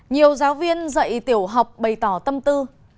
nhiều giáo viên dạy tiểu học bày tỏ tâm tư